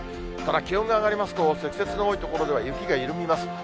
ただ気温が上がりますと、積雪の多い所では雪が緩みます。